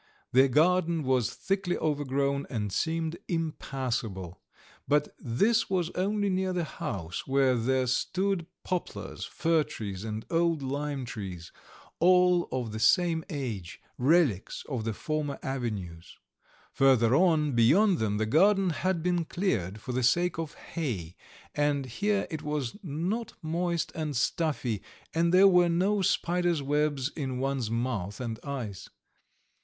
The garden was thickly overgrown and seemed impassable, but this was only near the house where there stood poplars, fir trees, and old limetrees, all of the same age, relics of the former avenues. Further on, beyond them the garden had been cleared for the sake of hay, and here it was not moist and stuffy, and there were no spiders' webs in one's mouth and eyes.